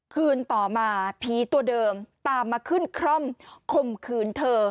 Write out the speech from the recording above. คืนต่อมาผีตัวเดิมตามมาขึ้นคร่อมคมคืนเธอ